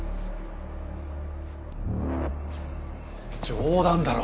冗談だろ！？